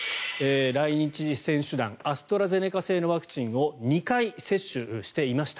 来日選手団アストラゼネカ製のワクチンを２回接種していました。